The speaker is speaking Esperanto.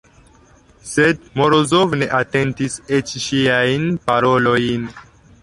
Sed Morozov ne atentis eĉ ŝiajn parolojn.